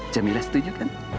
jamilah setuju kan